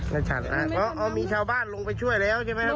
ชัดฮะเพราะมีชาวบ้านลงไปช่วยแล้วใช่ไหมครับ